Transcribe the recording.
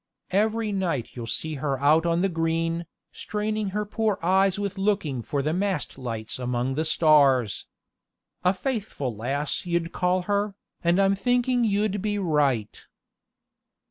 Every night you'll see her out on the green, straining her poor eyes with looking for the mast lights among the stars. A faithful lass you'd call her, and I'm thinking you'd be right.